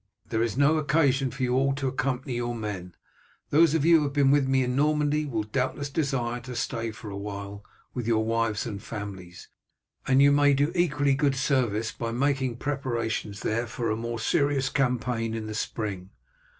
There is no occasion for you all to accompany your men. Those of you who have been with me in Normandy will doubtless desire to stay for a while with your wives and families, and you may do equally good service by making preparations there for a more serious campaign in the spring.